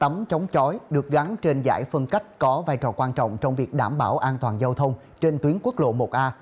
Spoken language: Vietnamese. tấm chống chói được gắn trên giải phân cách có vai trò quan trọng trong việc đảm bảo an toàn giao thông trên tuyến quốc lộ một a